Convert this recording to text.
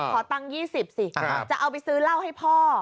ขอตังค์๒๐สิจะเอาไปซื้อเหล้าให้พ่อ